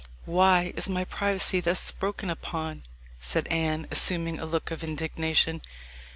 "Why is my privacy thus broken upon?" said Anne, assuming a look of indignation.